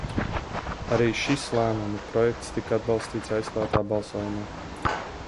Arī šis lēmuma projekts tika atbalstīts aizklātā balsojumā.